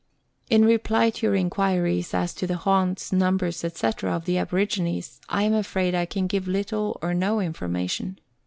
In reply to your inquiries as to the haunts, numbers, &c., of the aborigines, I am afraid I can give little or no information.